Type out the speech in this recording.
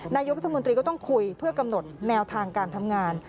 นายกรัฐมนตรีก็ต้องคุยเพื่อกำหนดแนวทางการทำงาน